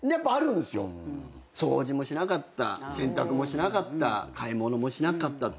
掃除もしなかった洗濯もしなかった買い物もしなかったって。